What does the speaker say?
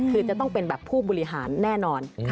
คือจะต้องเป็นแบบผู้บริหารแน่นอน